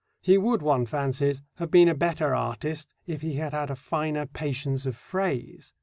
He would, one fancies, have been a better artist if he had had a finer patience of phrase.